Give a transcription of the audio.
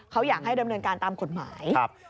เขาอยากให้เริ่มเริ่มการตามกฎหมาย